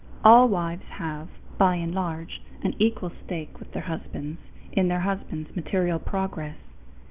All wives have, by and large, an equal stake with their husbands in their husbands' material progress.